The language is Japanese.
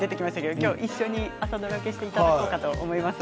今日一緒に朝ドラ受けしていただこうと思います。